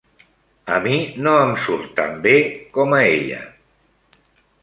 A mi no em surt tan bé com a ella.